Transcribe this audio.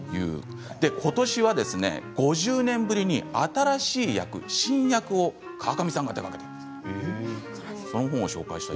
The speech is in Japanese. ことしは５０年ぶりに新しい訳新訳を川上さんが手がけたと。